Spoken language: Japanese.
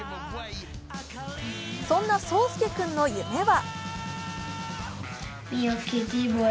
そんな颯亮君の夢は？